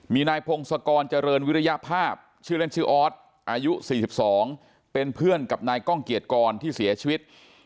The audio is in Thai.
มีนายพงศกรเจริญวิริยภาพชื่อเล่นชื่อออสอายุ๔๒เป็นเพื่อนกับนายก้องเกียรติกรที่เสียชีวิต